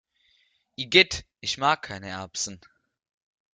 Igitt, ich mag keine Erbsen!